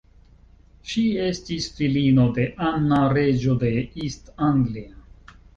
Ŝi estis filino de Anna, reĝo de East Anglia.